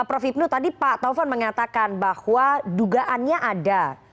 prof ibnu tadi pak taufan mengatakan bahwa dugaannya ada